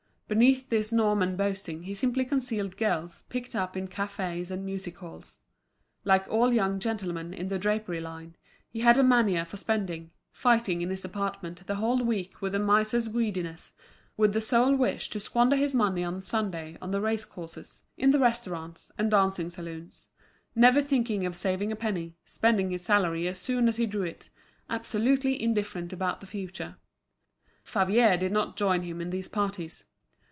Beneath this Norman boasting he simply concealed girls picked up in cafés and music halls. Like all young gentlemen in the drapery line, he had a mania for spending, fighting in his department the whole week with a miser's greediness, with the sole wish to squander his money on Sunday on the racecourses, in the restaurants, and dancing saloons; never thinking of saving a penny, spending his salary as soon as he drew it, absolutely indifferent about the future. Favier did not join him in these parties.